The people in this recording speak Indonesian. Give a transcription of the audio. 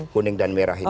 kuning dan merah ini